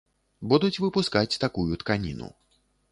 Будуць выпускаць такую тканіну.